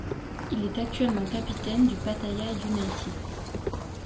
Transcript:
Il est actuellement capitaine du Pattaya United.